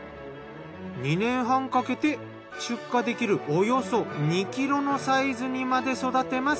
２年半かけて出荷できるおよそ２ｋｇのサイズにまで育てます。